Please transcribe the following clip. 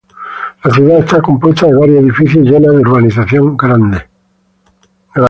La ciudad está compuesta de varios edificios y llena de una urbanización grade.